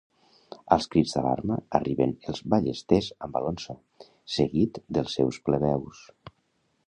Als crits d'alarma arriben els ballesters amb Alonso, seguit dels seus plebeus.